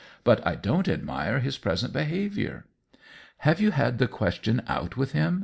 But I don't admire his present behavior." " Have you had the question out with him